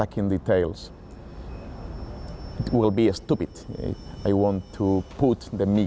ให้มิเกลเป็นสาบแข่งต้องครอง